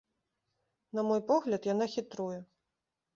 На мой погляд, яна хітруе.